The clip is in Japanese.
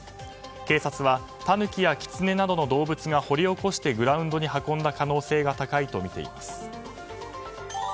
警察は、タヌキやキツネなどの動物が掘り起こしてグラウンドに運んだ可能性が高いとみています。